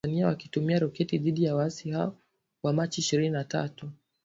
huku wanajeshi wa Tanzania wakitumia roketi dhidi ya waasi hao wa Machi ishirini na tatu na